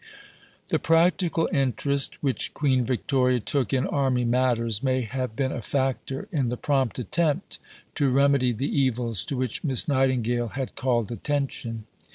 The practical interest which Queen Victoria took in Army matters may have been a factor in the prompt attempt to remedy the evils to which Miss Nightingale had called attention.